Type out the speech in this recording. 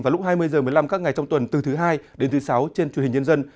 vào lúc hai mươi h một mươi năm các ngày trong tuần từ thứ hai đến thứ sáu trên truyền hình nhân dân